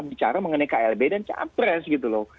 bicara mengenai klb dan capres gitu loh